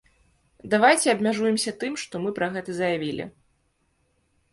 Давайце абмяжуемся тым, што мы пра гэта заявілі.